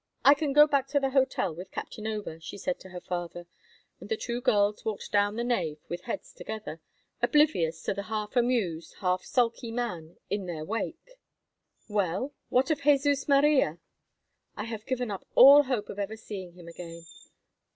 "I can go back to the hotel with Captain Over," she said to her father, and the two girls walked down the nave with heads together, oblivious of the half amused, half sulky man in their wake. "Well, what of Jesus Maria?" "I have given up all hope of ever seeing him again."